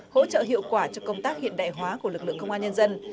hỗ trợ hiệu quả cho công tác hiện đại hóa của lực lượng công an nhân dân